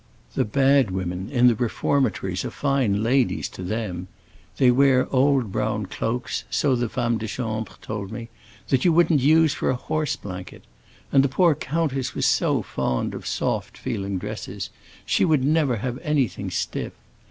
The bad women in the reformatories are fine ladies to them. They wear old brown cloaks—so the femme de chambre told me—that you wouldn't use for a horse blanket. And the poor countess was so fond of soft feeling dresses; she would never have anything stiff!